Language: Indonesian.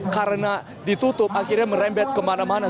karena ditutup akhirnya merembet kemana mana